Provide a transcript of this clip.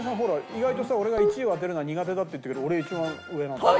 意外とさ俺が１位を当てるのが苦手だって言ったけど俺一番上なんだよ。